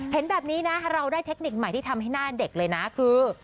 เห็นแบบนี้นะเราได้เทคนิคใหม่ที่ทำให้หน้าเด็กเลยนะคือ